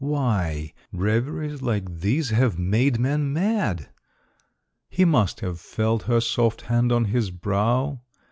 Why, reveries like these have made men mad! He must have felt her soft hand on his brow.